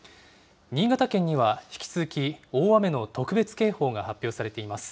新潟県には引き続き大雨の特別警報が発表されています。